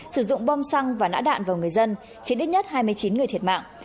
sử dụng bom xăng và nã đạn vào người dân khiến ít nhất hai mươi chín người thiệt mạng